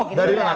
oh dari raka